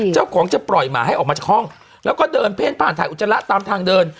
เจ้าของจะปล่อยหมาให้ออกมาจากห้องแล้วก็เดินเพ่นผ่านถ่ายอุจจาระตามทางเดิน